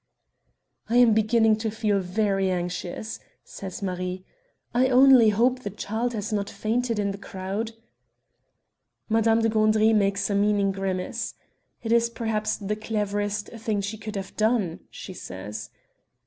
"I am beginning to feel very anxious," says Marie. "I only hope the child has not fainted in the crowd." Madame de Gandry makes a meaning grimace. "It is perhaps the cleverest thing she could have done," she says.